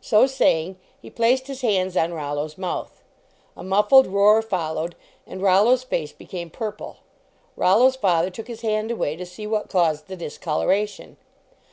So saying, he placed his hands on Rollo s mouth., A muffled roar followed, and Rol lo s face became purple. Rollo s father took his hand away to see what caused the discoloration.